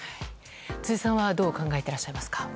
辻さんはどう考えていらっしゃいますか？